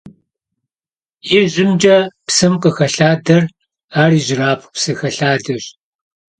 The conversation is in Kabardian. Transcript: ИжьымкӀэ псым къыхэлъадэр ар ижьырабгъу псы хэлъадэщ.